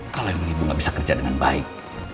kalau yang itu gak bisa kerja dengan baik